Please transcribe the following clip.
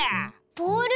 ボール？